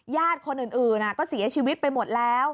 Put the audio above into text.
ญาติคนอื่นก็เสียชีวิตไปหมดแล้ว